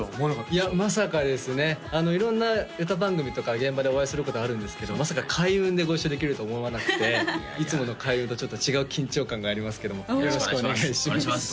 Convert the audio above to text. いやまさかですね色んな歌番組とか現場でお会いすることあるんですけどまさか開運でご一緒できると思わなくていつもの開運とちょっと違う緊張感がありますけどもよろしくお願いします